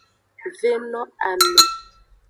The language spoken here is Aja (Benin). Ve no ame.